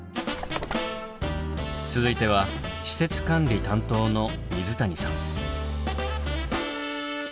続いては施設管理担当の水谷さん。